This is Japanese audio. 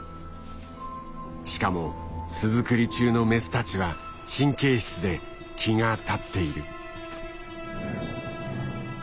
しかも巣作り中のメスたちは神経質で気が立っている。